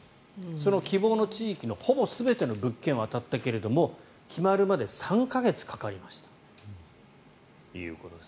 その希望の地域のほぼ全ての物件を当たったけれども決まるまでに３か月かかりましたということです。